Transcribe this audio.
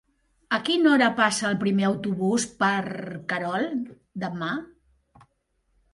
A quina hora passa el primer autobús per Querol demà?